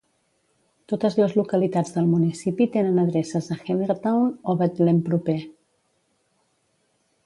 Totes les localitats del municipi tenen adreces a Hellertown o Betlem proper.